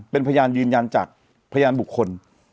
เป็นพยานยืนยันจากพยานบุคคล